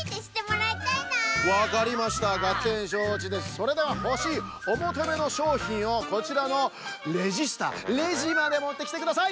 それではほしいおもとめのしょうひんをこちらのレジスターレジまでもってきてください！